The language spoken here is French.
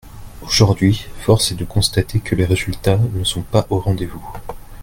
Aujourd’hui, force est de constater que les résultats ne sont pas au rendez-vous.